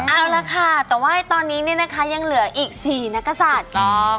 เอาล่ะค่ะเท่าว่าตอนนี้ยังเหลืออีก๔นักสรรค์